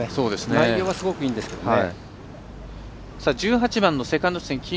内容はすごくいいんですけどね。